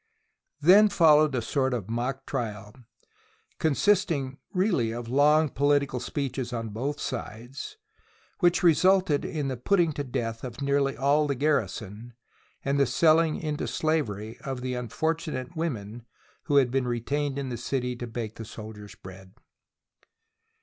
Then followed a sort of mock trial, consisting really of long political speeches on both sides, which resulted in the putting to death of nearly all the garrison, and the selling into slavery of the unfor tunate women who had been retained in the city to bake the soldiers' bread.